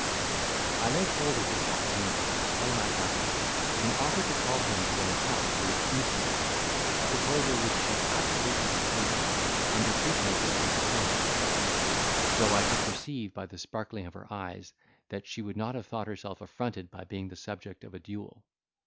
I laid hold of this opportunity to display my valour, and offered to call him to an account for his insolence, a proposal which she absolutely refused, under pretence of consulting my safety; though I could perceive, by the sparkling of her eyes, that she would not have thought herself affronted by being the subject of a duel.